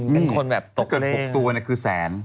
เป็นคนแบบตกเลขถ้าเกิด๖ตัวเนี่ยคือแสน